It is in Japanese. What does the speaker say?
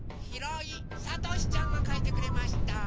ひろいさとしちゃんがかいてくれました。